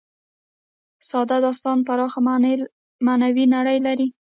ساده داستان پراخه معنوي نړۍ لري.